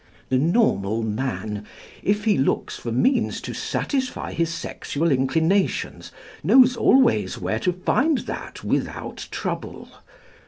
The normal man, if he looks for means to satisfy his sexual inclinations, knows always where to find that without trouble.